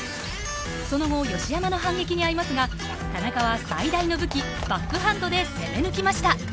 その後吉山の反撃にあいますが田中は最大の武器バックハンドで攻めてきました。